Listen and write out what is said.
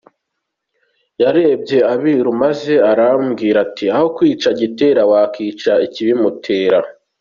Yarebye Abiru, maze arababwira ati “Aho kwica Gitera wakwica ikibimutera.